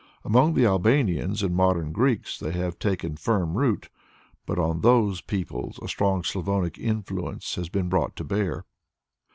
Among the Albanians and Modern Greeks they have taken firm root, but on those peoples a strong Slavonic influence has been brought to bear.